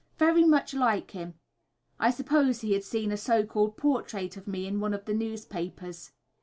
very much like him." I suppose he had seen a so called portrait of me in one of the newspapers.